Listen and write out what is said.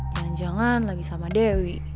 jangan jangan lagi sama dewi